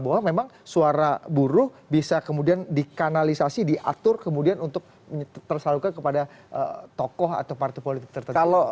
bahwa memang suara buruh bisa kemudian dikanalisasi diatur kemudian untuk tersalurkan kepada tokoh atau partai politik tertentu